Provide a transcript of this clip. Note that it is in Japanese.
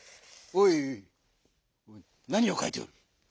おいなにをかいておる？